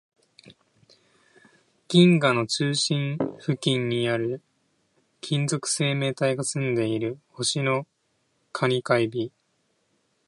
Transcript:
銀河の中心付近にある、金属生命体が住んでいる星の蟹か海老